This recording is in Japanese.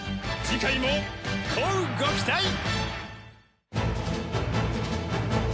次回も乞うご期待！